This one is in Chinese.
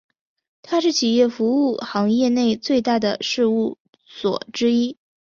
它是企业服务行业内最大的事务所之一。